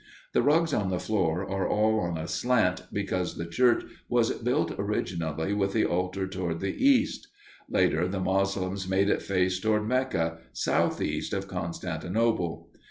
The rugs on the floor are all on a slant because the church was built originally with the altar toward the east; later the Moslems made it face toward Mecca, southeast of Constantinople.